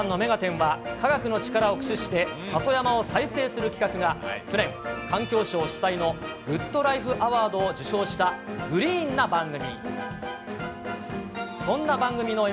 は、科学の力を駆使して、里山を再生する企画が去年、環境省主催のグッドライフアワードを受賞したグリーンな番組。